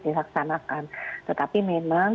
dilaksanakan tetapi memang